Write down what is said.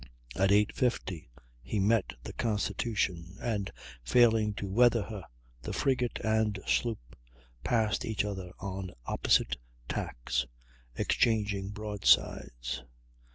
At 8.50 he met the Constitution, and, failing to weather her, the frigate and sloop passed each other on opposite tacks, exchanging broadsides.